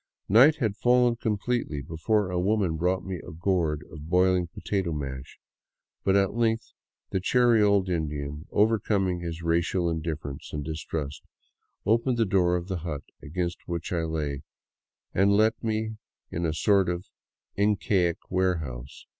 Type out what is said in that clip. Night had fallen completely before a woman brought me a gourd of boiling potato mush, but at length the chary old Indian, overcoming his racial indifference and distrust, opened the door of the hut against which I lay and let me into a sort of Incaic warehouse.